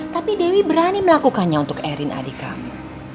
tapi dewi berani melakukannya untuk erin adik kamu